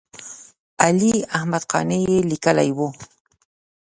علي احمد قانع یې لیکلی و.